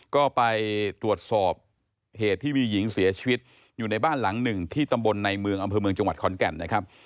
ก็ไปตรวจสอบเหตุที่มีหญิงเสียชีวิตอยู่ในบ้านหลังหนึ่งที่ตำบลในเมืองอำเภอเมืองจังหวัดขอนแก่นนะครับ